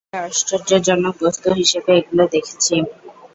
আমরা আশ্চর্যজনক বস্তু হিসেবে এগুলো দেখছি।